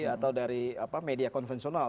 atau dari media konvensional